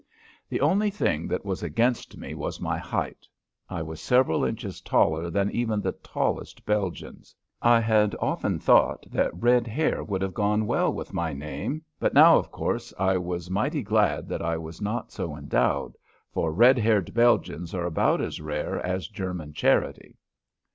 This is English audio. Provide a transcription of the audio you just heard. The only thing that was against me was my height. I was several inches taller than even the tallest Belgians. I had often thought that red hair would have gone well with my name, but now, of course, I was mighty glad that I was not so endowed, for red haired Belgians are about as rare as German charity.